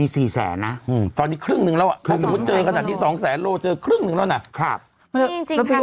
๒แสนกว่าโลนะคะ